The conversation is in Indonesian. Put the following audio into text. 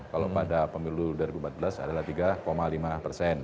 kalau pada pemilu dua ribu empat belas adalah tiga lima persen